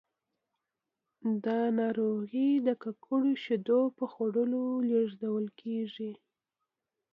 دا ناروغي د ککړو شیدو په خوړلو لیږدول کېږي.